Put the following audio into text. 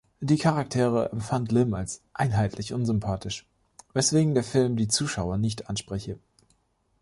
Die Charaktere empfand Lim als „einheitlich unsympathisch“, weswegen der Film die Zuschauer nicht anspreche.